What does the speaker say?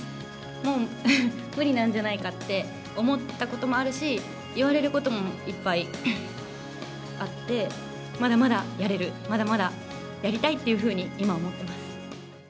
もう無理なんじゃないかって思ったこともあるし、言われることもいっぱいあって、まだまだやれる、まだまだやりたいっていうふうに、今思っています。